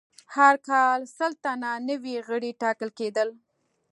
هر کال سل تنه نوي غړي ټاکل کېدل.